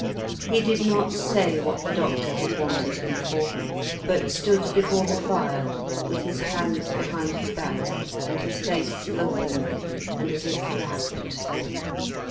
He did not say what the doctor had wanted him for, but stood before the fire, with his hands behind his back, and his face open and as if rapt.